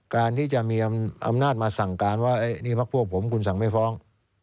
การที่จะมีอำนาจมาสั่งการว่านี่พักพวกผมคุณสั่งไม่ฟ้อง